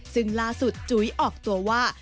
ซึ่งล่าสุดจุ๋ยออกตัวว่า